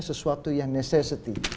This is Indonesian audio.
sesuatu yang necessity